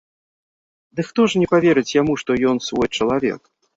Дык хто ж не паверыць яму, што ён свой чалавек?